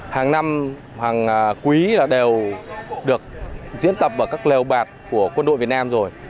hàng năm hàng quý là đều được diễn tập ở các lèo bạc của quân đội việt nam rồi